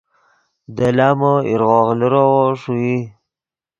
دے لامو ایرغوغ لیروّو ݰوئی